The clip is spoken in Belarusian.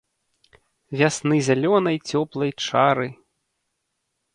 Вясны зялёнай цёплай чары!